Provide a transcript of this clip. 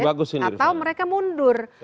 atau mereka mundur